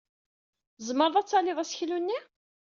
Tzemreḍ ad talyeḍ aseklu-nni?